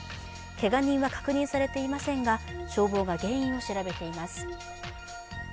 けが人は確認されていませんが消防が原因を調べています。